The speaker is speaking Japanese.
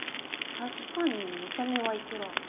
確かに見た目はいくら。